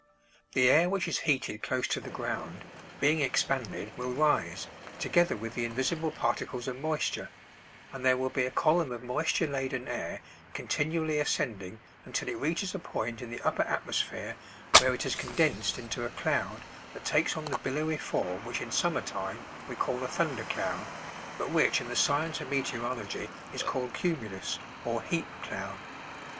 The air which is heated close to the ground, being expanded, will rise, together with the invisible particles of moisture, and there will be a column of moisture laden air continually ascending until it reaches a point in the upper atmosphere where it is condensed into a cloud that takes on the billowy form which in summer time we call a thunder cloud, but which in the science of meteorology is called cumulus, or heap cloud.